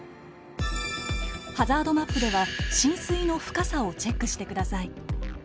ハザードマップでは浸水の深さをチェックしてください。